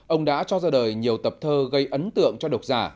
ông đã cho ra đời nhiều tập thơ gây ấn tượng cho độc giả